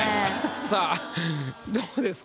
さあどうですか？